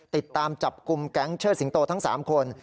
ติดตามจับกลุ่มแก๊งเชิดสิงโตทั้ง๓คน